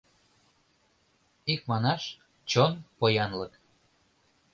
Икманаш, чон поянлык.